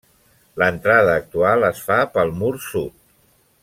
L'entrada actual es fa pel mur sud.